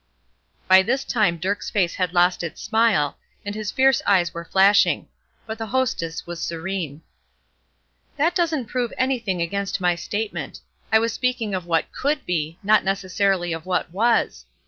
By this time Dirk's face had lost its smile, and his fierce eyes were flashing; but the hostess was serene. "That doesn't prove anything against my statement. I was speaking of what could be, not necessarily of what was.